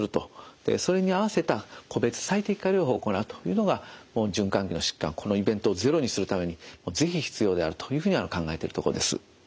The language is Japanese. でそれに合わせた個別最適化療法を行うというのが循環器の疾患このイベントをゼロにするために是非必要であるというふうに考えているとこです。